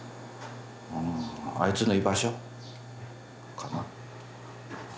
あいつの居場所かな。